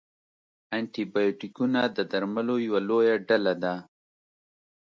انټي بیوټیکونه د درملو یوه لویه ډله ده.